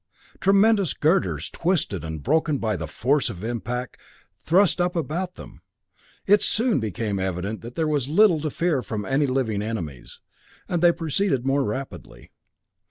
Tremendous girders, twisted and broken by the force of impact, thrust up about them. It soon became evident that there was little to fear from any living enemies, and they proceeded more rapidly.